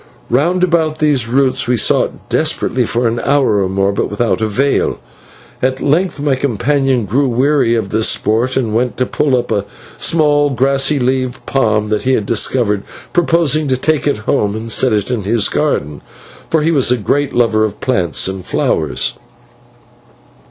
Round about these roots we sought desperately for an hour or more, but without avail, till at length my companion grew weary of the sport, and went to pull up a small glossy leaved palm that he had discovered, purposing to take it home and set it in his garden, for he was a great lover of plants and flowers.